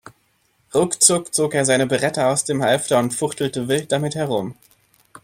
Ruckzuck zog er seine Beretta aus dem Halfter und fuchtelte wild damit herum.